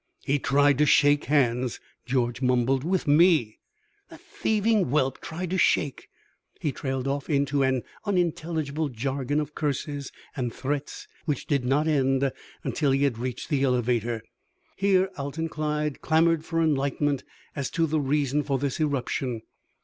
"He tried to shake hands," George mumbled, "with me! That thieving whelp tried to shake " He trailed off into an unintelligible jargon of curses and threats which did not end until he had reached the elevator. Here Alton Clyde clamored for enlightenment as to the reason for this eruption.